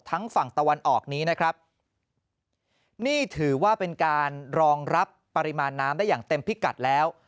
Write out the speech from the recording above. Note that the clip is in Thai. ฝั่งตะวันออกนี้นะครับนี่ถือว่าเป็นการรองรับปริมาณน้ำได้อย่างเต็มพิกัดแล้ว